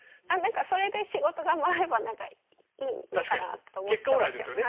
それで仕事が回れば何かいいのかなと思ってますけど。